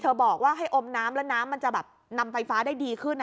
บอกว่าให้อมน้ำแล้วน้ำมันจะแบบนำไฟฟ้าได้ดีขึ้นนะ